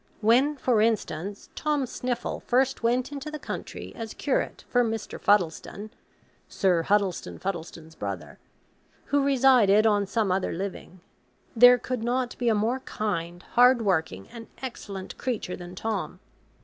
When, for instance, Tom Sniffle first went into the country as Curate for Mr. Fuddleston (Sir Huddleston Fuddleston's brother), who resided on some other living, there could not be a more kind, hardworking, and excellent creature than Tom.